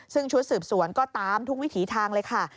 ซึ่งชุดสืบสวนก็ตามทุกวิถีทางเลยค่ะ